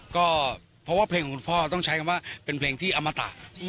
ก็เพราะว่าเพลงของคุณพ่อต้องใช้คำว่าเป็นเพลงที่อมตะ